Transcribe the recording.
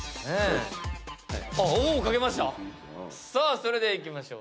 それではいきましょう！